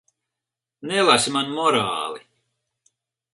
Nelasi man morāli.